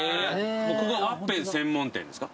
ここはワッペン専門店ですか？